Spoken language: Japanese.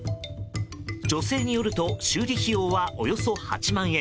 女性によると修理費用はおよそ８万円。